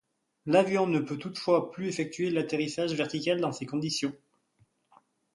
L'avion ne peut toutefois plus effectuer d'atterrissage vertical dans ces conditions.